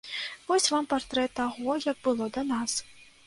Вось вам партрэт таго, як было да нас.